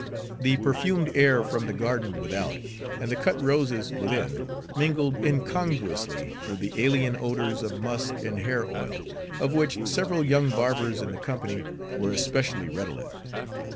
The perfumed air from the garden without and the cut roses within mingled incongruously with the alien odors of musk and hair oil, of which several young barbers in the company were especially redolent.